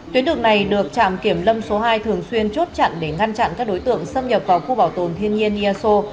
tuyến đường này được trạm kiểm lâm số hai thường xuyên chốt chặn để ngăn chặn các đối tượng xâm nhập vào khu bảo tồn thiên nhiên eso